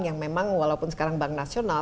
yang memang walaupun sekarang bank nasional